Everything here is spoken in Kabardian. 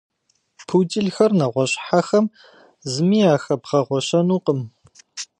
Пуделхэр нэгъуэщӏ хьэхэм зыми яхэбгъэгъуэщэнукъым.